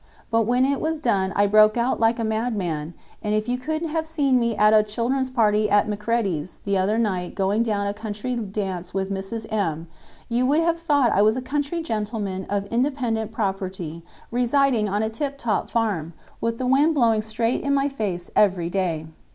But when it was done I broke out like a madman, and if you could have seen me at a children's party at Macready's the other night going down a country dance with Mrs. M. you would have thought I was a country gentleman of independent property residing on a tip top farm, with the wind blowing straight in my face every day."